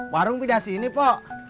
warung pindah sini pok